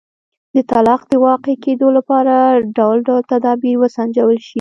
د طلاق د واقع کېدو لپاره ډول ډول تدابیر وسنجول شول.